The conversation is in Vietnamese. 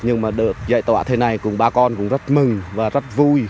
nhưng mà được dạy tỏa thế này cùng bà con cũng rất mừng và rất vui